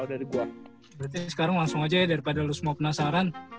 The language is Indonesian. berarti sekarang langsung aja daripada lo semua penasaran